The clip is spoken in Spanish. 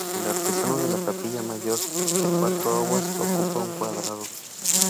El artesonado de la capilla mayor, de cuatro aguas, ocupa un cuadrado.